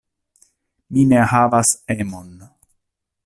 Mi ne havas emon.